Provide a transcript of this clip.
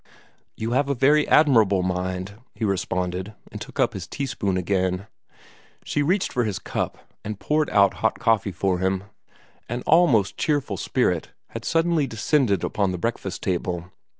"You have a very admirable mind," he responded, and took up his teaspoon again. She reached for his cup, and poured out hot coffee for him. An almost cheerful spirit had suddenly descended upon the breakfast table.